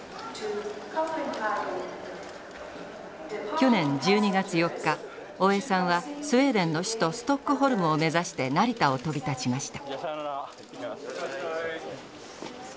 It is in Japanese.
去年１２月４日大江さんはスウェーデンの首都ストックホルムを目指して成田を飛び立ちました。